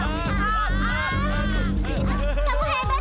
aduh aduh aduh